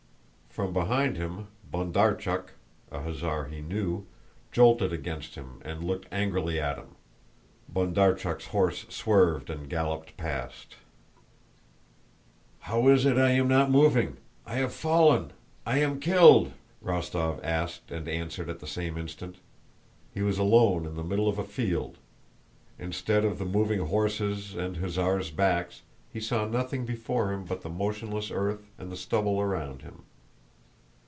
From behind him Bondarchúk, an hussar he knew, jolted against him and looked angrily at him. Bondarchúk's horse swerved and galloped past. "How is it I am not moving? I have fallen, I am killed!" Rostóv asked and answered at the same instant. He was alone in the middle of a field. Instead of the moving horses and hussars' backs, he saw nothing before him but the motionless earth and the stubble around him.